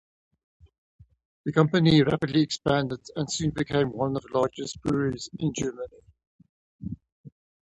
The company rapidly expanded and soon became one of the largest breweries in Germany.